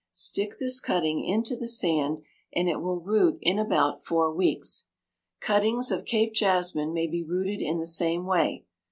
Stick this cutting into the sand and it will root in about four weeks. Cuttings of Cape jasmine may be rooted in the same way.